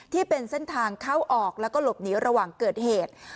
ที่เป็นเส้นทางเข้าออกแล้วก็หลบหนีระหว่างเกิดเหตุ